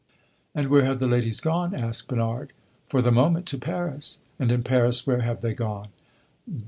"And where have the ladies gone?" asked Bernard. "For the moment, to Paris." "And in Paris where have they gone?"